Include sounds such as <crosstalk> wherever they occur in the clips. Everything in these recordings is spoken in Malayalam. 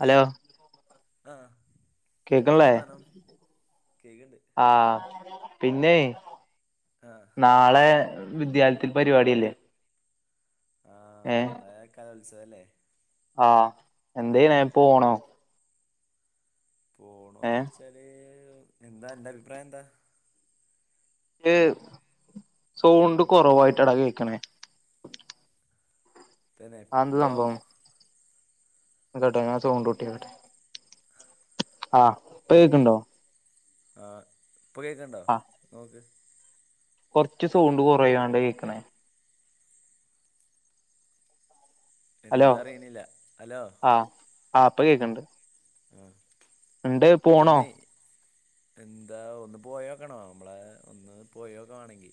ഹലോ? ആഹാ കേക്ക്ണ്ല്ലേ? കേക്ക്ണ്ട് ആഹ് പിന്നേയ് ആഹാ നാളേ വിദ്യാല്ത്തിൽ പരിവാടി അല്ലേ? ആഹ് ഞമ്മളേ കലോത്സവല്ലേ? ആഹ് എന്തേയ്‌ണ് പോണോ? പോണോ ചോയിച്ചാല് എന്താ അന്റെ അഭിപ്രായെന്താ? ക്ക് സൗണ്ട് കൊറവായിട്ടാടാ കേക്ക്ണേ തന്നേ പ്പളോ? നിക്ക്ട്ടോ ഞാൻ സൗണ്ടൂട്യോക്കട്ടെ ആഹ് ഇപ്പ കേക്ക്ൺണ്ടോ? ആഹ് ഇപ്പൊ കേക്കാണ്ടോ ആ നോക്ക് കൊറച്ച് സൗണ്ട് കൊറയാണ്ട് കേക്ക്ണേ ഹലോ? എന്താ അറിയണില്ല ഹലോ ആഹാ ആഹാ ഇപ്പ കേക്ക്ണ്ട് ഉും പോണോ പിന്നേയ് എന്താ ഒന്ന് പോയോക്കണോ? മ്മളേ ഒന്ന് പോയോക്കവാണെങ്കി?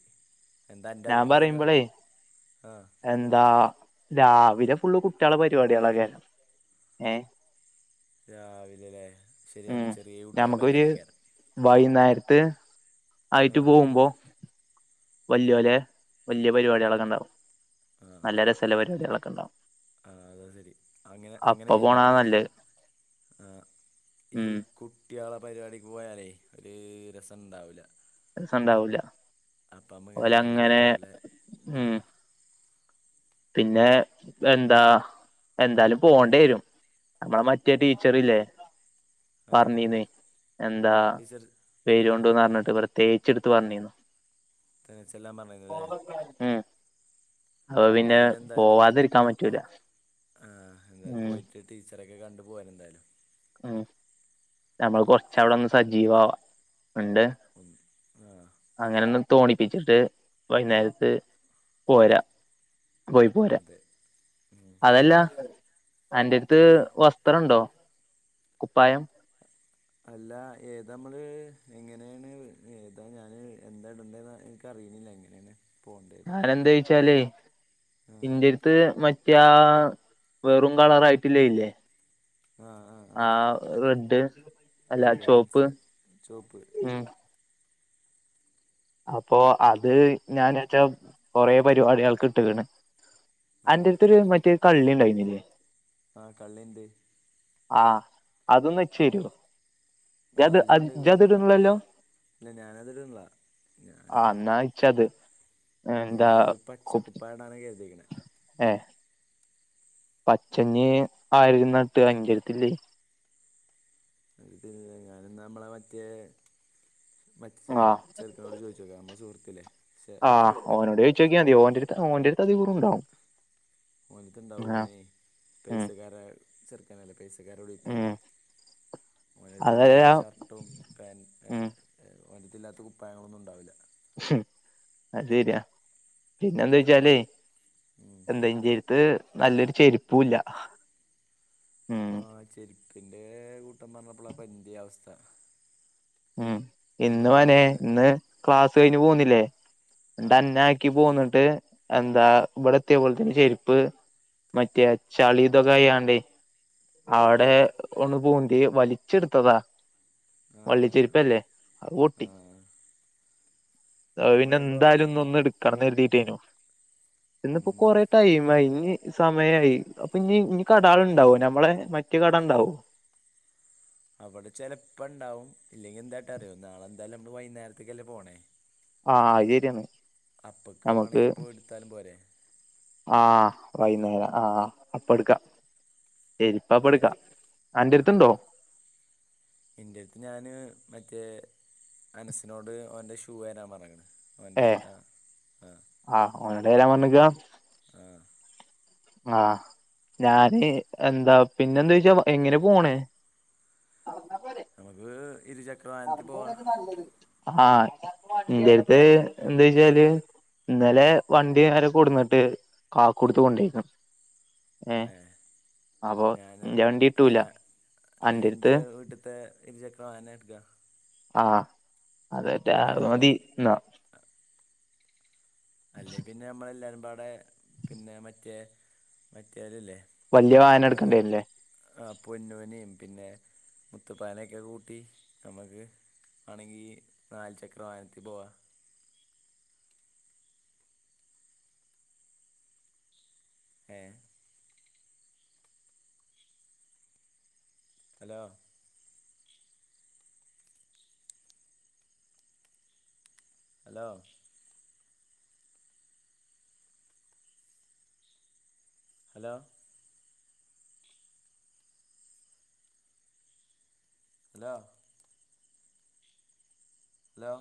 ഞാൻ പറിയ്മ്പളേയ് ആഹ് എന്താ രാവിലെ ഫുള്ള് കുട്ട്യേളെ പരിവാട്യേളേക്കാരം ഏഹ് രാവിലെലേ ശെരിയാണ് ചെറിയ കുട്ട്യേളെ പരിവാട്യേക്കാരം. വൈന്നേരത്ത് ആയിറ്റ് ആഹ് പോവുമ്പോ? വല്ല്യോലെ വല്ല്യേ പരിവാട്യേളൊക്കെണ്ടാവും. ആഹ് നല്ല രസല്ല പരിവാട്യേളൊക്കെണ്ടാവും. ആഹ് അതാ ശെരി അങ്ങനെ അങ്ങനെയ്യാന്നാ പോണാ നല്ലത് ആഹ്‌ ഈ ഉം കു ട്ട്യേളെ പരിവാടിക്ക് പോയാലേ ഒരു രസണ്ടാവൂല രസണ്ടാവൂല അപ്പ അമ്മക്ക് എന്താലും ഇജ് ഓലങ്ങനെ പറഞ്ഞ പോലെ ആഹ് പിന്നേ എന്താ എന്താലും പോണ്ടേരും അമ്മളെ മറ്റേ ടീച്ചറ്ല്ലേ? ആഹ് പറഞ്ഞീന്നേ എന്താ ടീച്ചർ ആഹ് വെരോണ്ടൂന്ന്റഞ്ഞിട്ട് വെർ തേച്ച്ട്ത്ത് പറഞീന്നു. ഏ ച്ചെല്ലാം പറഞ്ഞ്ക്ക്ല്ലേ ഉം അപ്പൊ പിന്നെ ന്നാപി നെന്തായാലും പ്പോ പോവാതിരിക്കാൻ പറ്റൂല ഏ എന്തായാലും ഉം പോയിട്ട് ടീച്ചറേക്കെ കണ്ട് പോരന്തായാലും ഉം നമ്മള് കൊർച്ചവ്ടന്ന് സജീവാവ ഇന്റെ ഉം ആഹ് അങ്ങനെ ഒന്ന് തോണിപ്പിച്ചിട്ട് വൈന്നേരത്ത് പോരാ പോയി പോരാ അതെ ഉം അതല്ലാ അന്റെ എര്ത്ത് പറയ് വസ് ത്രണ്ടോ കുപ്പായം അല്ലാ ഏതാ അമ്മള് എങ്ങനെണ് ഏതാ ഞാന് എന്താ ഇടണ്ടേന്നാ എനിക്ക് ക്കറിണില്ല എങ്ങനെന്ന് ഞാന് എന്തേയ്ച്ചാലേ ആഹ് ഇന്റെ ത്ത് മറ്റേ ആ വെറും കളറായിട്ടില്ലേ ഇല്ലേ ആഹ് ആഹ് ആ ആഹ് റെഡ് അല്ല അതെ ചോപ്പ് മനസ്സിലായി ചോപ്പ് ഉം അപ്പൊ അത് ഞാനെച്ചാ കൊറേ പരിപാടികൾക്ക് ഇട്ട്ക്ക്ണ് ആഹ് അന്റെട്ത്തര് മറ്റേ കള്ളി ഇണ്ടായിന്നില്ലേ ആ കള്ളി ണ്ട് ആ അതൊന്ന് ഇച്ചെരോ ആഹ് യത് അത് അ ജ്ജ് ഇജോണ്ടോയ്ക്കോ അത് ഇട്ണ്ല്ലല്ലോ ഇല്ല ഞാനതിടണില്ല ആ, ഞാന് ന്നാ ച്ചത് ഞാനൊരു പച്ചക്കുപ്പായടാനാ കര്തിക്ക്‌ണെ എഹ് പച്ചഞ് ആ <unintelligible> ല്ലേ ത് ഞാന് ന്നാ അമ്മളെ മറ്റേ മചെ ആഹ് ചെർക്കനോട് ചോ അമ്മളെ സുഹൃത്തില്ലെ ആ ഓനോട് ചോയിചോക്യാതി ഓന്റെ അടുത്ത് ഓന്റെ അടുത്തധികോം ണ്ടാവും ഓൻക്ക്‌ണ്ടാവും ഓനേ ഉം പെയ്സക്കാരേ ചെർക്കനല്ലേ പെയ്സക്കാരോ <unintelligible> ത്തല്ലേ ഉം ഓന്റെ എട്ത്ത് അതല്ല ഇല്ലാത്ത ഷർട്ടും പേൻ ഏ ഉം ഓന്റെട്ത്തില്ലാത്ത കുപ്പായങ്ങളൊന്നും ഉണ്ടാവില അത് ശരിയാ പിന്നെന്ത് വെച്ചാല് ഉം എന്തെ ഇന്റെര്ത്ത് നല്ലൊരു ചെരുപ്പൂ ഇല്ല ആ ചെര്പ്പിന്റെ കൂട്ടം പർഞ്ഞപ്പളാ ഇപ്പന്റിം അവസ്ഥ ഉം ഇന്ന് നമുക്ക് മനേ വേണമെങ്കിൽ ഒന്ന് ഇന്ന് ക്ലാസ് കഴിഞ്ഞ് പോന്നില്ലേ ആ ണ്ടെന്നെ ക്കി പോന്നിട്ട് എന്താ ഇവടത്തിയപ്പൊത്തിന് ചെരിപ്പ് മറ്റേ ചളി ഇതൊകയാണ്ടേ അവടെ പൊട്ടിയോ ഒന്ന് പൂന്തി വലിച്ചെട്ത്തതാ ആ വള്ളിച്ചെരിപ്പല്ലേ അഹ് ആ പൊട്ടി അഹ് ഞാൻ പിന്നെ പറയുമ്പോൾ എന്തായാലും ഇന്ന് ഒന്ന് എടു കടന്ന് എഴുതീട്ടേനു ഇന്നിപ്പൊ കൊറ ടൈം ആയി ഇനി സമയായി അപ്പൊ ഇഞ് ഇനി കടാൾ ഇണ്ടാവോ ഞമ്മള മറ്റെ കട ഇണ്ടാവോ അവടെ ചെലപ്പം ഇണ്ടാവും ഇല്ലെങ്കി എന്താട്ടറിയോ നാളെ എന്തായാലും നമ്മള് വൈന്നേരത്ത്ക്ക്‌ അല്ലെ പോണേ ആ ശരിയാന്ന് അപ്പക്ക്‌ വാണങ്കി പോയി ഇട്ത്താലും പോരെ ആ വൈന്നേര ആ, അപ്പട്ക്ക ഏ, അന്റെ ആഹ് അടുത്തുണ്ടോ ഇൻ്റെ എട്ത്ത് ഞാന് മറ്റേ അനസിനോട് ഓൻ്റെ ഷൂ തരാൻ പർഞ്ക്ക്‌ണ് ഓൻ്റെ ആ, ആ ആ ഓന്റെ തരാൻ പർഞ്ഞ്ക്കാ ആഹ് ആ, ഞാന് എന്താ പിന്നെ എന്ദോയ്ച്ചാ എങ്ങനെ പോണെ നടന്ന പോരെ നമ്മക്ക് ഇരുച ആ, ഇന്റെട്ത്ത് ന്ത് വെച്ചാല് ഇന്നലെ വണ്ടി നേരെ കൊടെന്നിട്ട് കാക്കു എടുത്ത് കൊണ്ടോയിന് ഏഹ് അപ്പൊ ഞാൻ ഇന്റെ വണ്ടി ആഹ് കിട്ടൂല ഞ ഞാന എൻ്റെ അന്റെടുത്ത് വീട്ടിൽ <unintelligible> ആഹ് അതറ്റെ ഏ മതി എന്നാ അല്ലേ പിന്നെ നമ്മള എല്ലാരുംപാടെ പിന്നെ മറ്റേ മറ്റേ അല്ലല്ലേ വലിയ വായനം എടുക്കേണ്ടരല്ലേ ആഹ് പൊന്നൂനേം പിന്നെ മുത്തുപ്പാനൊക്കെ കൂട്ടി നമുക്ക് ആണെങ്കി നാല് ചക്ര വാഹനത്തി പോവാ ഏഹ് hello hello hello hello hello